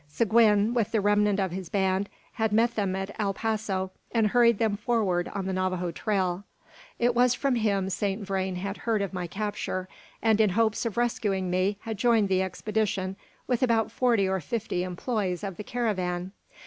Seguin, with the remnant of his band, had met them at El Paso, and hurried them forward on the Navajo trail. It was from him Saint Vrain had heard of my capture; and in hopes of rescuing me had joined the expedition with about forty or fifty employes of the caravan.